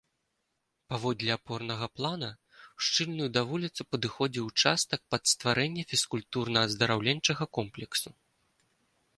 Паводле апорнага плана, ушчыльную да вуліцы падыходзіў участак пад стварэнне фізкультурна-аздараўленчага комплексу.